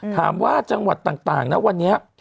ถามว่าจังหวัดต่างนะวันนี้